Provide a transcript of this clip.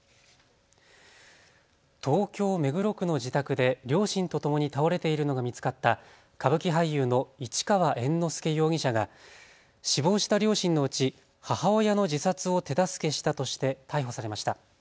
東京目黒区の自宅で両親とともに倒れているのが見つかった歌舞伎俳優の市川猿之助容疑者が死亡した両親のうち母親の自殺を手助けしたとして逮捕されました。